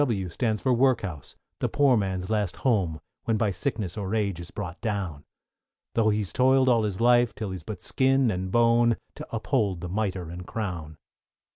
=W= stands for Workhouse, the poor man's last home, When by sickness or age is brought down, Tho' he's toil'd all his life till he's but skin and bone, To uphold the mitre and crown.